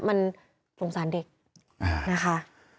มันสงสารเด็กนะคะ